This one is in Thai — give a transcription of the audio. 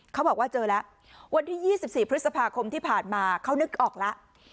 เขาบอกว่าเจอแล้ววันที่๒๔พฤษภาคมที่ผ่านมาเขานึกออกแล้ว